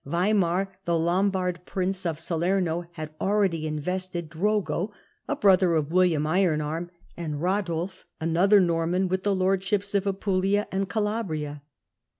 Waimar, the Lombard prince of Salerno, had already invested Drogo, a brother of William Iron arm, and Radulf, another Norman, with the lordships of Apulia and Calabria.